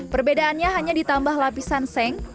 perbedaannya hanya ditambah lapisan seng